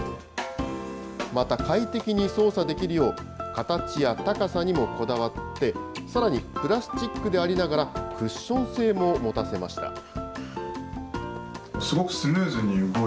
また快適に操作できるよう、形や高さにもこだわって、さらにプラスチックでありながら、クッション性ももたせました。